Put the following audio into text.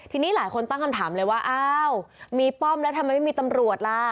ทีนี้หลายคนตั้งคำถามเลยว่าอ้าวมีป้อมแล้วทำไมไม่มีตำรวจล่ะ